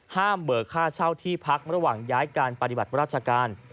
เบิกค่าเช่าที่พักระหว่างย้ายการปฏิบัติราชการ